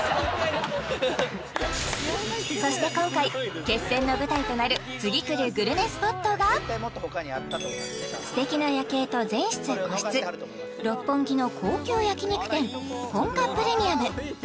そして今回決戦の舞台となる次くるグルメスポットがすてきな夜景と全室個室六本木の高級焼き肉店ＰＯＮＧＡＰＲＥＭＩＵＭ